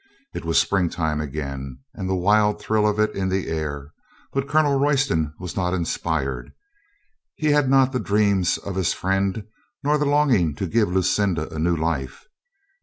It was springtime again and the wild thrill of it in the air, but Colonel Royston was not inspired. He had not the dreams of his friend nor the longing to give Lucinda a new life.